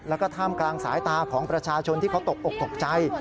แล้วก็ท่ามกลางสายตาของประชาชนที่เขาตกอกตกใจ